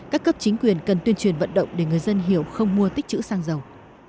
các cấp chính quyền cần tuyên truyền vận động để người dân hiểu không mua tích chữ xăng dầu